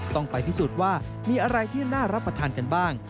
ต้องไปพิสูจน์ว่ามีอะไรที่น่ารับประทานกันบ้าง